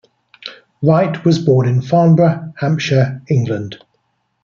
Wright was born in Farnborough, Hampshire, England.